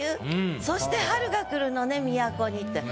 そして「春が来るのね都に」